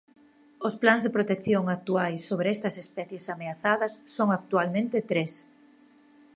Os plans de protección actuais sobre estas especies ameazadas son actualmente tres.